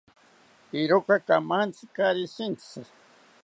Iroka kamantzi kaari shintzi